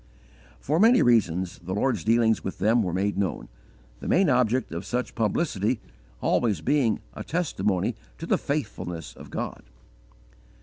For many reasons the Lord's dealings with them were made known, the main object of such publicity always being a _testimony to the faithfulness of God.